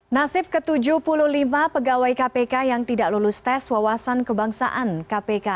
nasib ke tujuh puluh lima pegawai kpk yang tidak lulus tes wawasan kebangsaan kpk